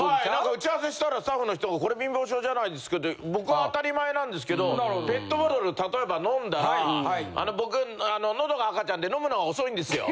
打ち合わせしたらスタッフの人がこれ貧乏性じゃないですかって僕は当たり前なんですけどペットボトルを例えば飲んだらあの僕喉が赤ちゃんで飲むのが遅いんですよ。